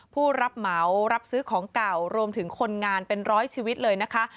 ผู้รับเหมารับซื้อของเก่ารวมถึงคนงานเป็นร้อยชีวิตเลยนะคะ